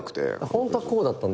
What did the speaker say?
ホントはこうだったんです。